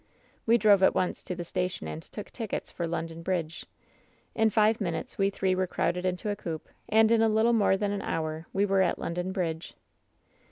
"We drove at once to the station and took tickets for London Bridge. In five minutes we three were crowded into a coupe ; and in little more than an hour we were at London Bridge.